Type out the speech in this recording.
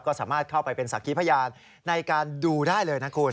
ก็สามารถเข้าไปเป็นสักขีพยานในการดูได้เลยนะคุณ